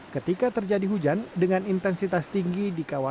ketika terjadi hujan dengan intensitas tinggi di kawasan